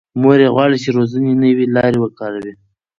مور یې غواړي چې روزنې نوې لارې وکاروي.